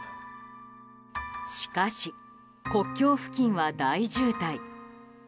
しかし国境付近は大渋滞。